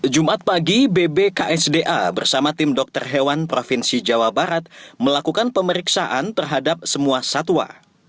jumat pagi bbksda bersama tim dokter hewan provinsi jawa barat melakukan pemeriksaan terhadap semua satwa